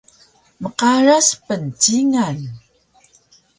Mqaras pncingan